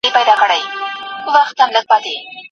څراغ د امیدونو د بلېدو نښه وه.